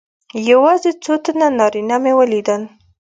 یوازې څو تنه نارینه مې ولیدل.